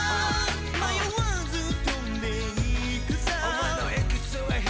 迷わず飛んでいくさ